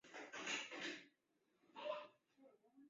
短毛熊巴掌为禾本科锦香草属下的一个变种。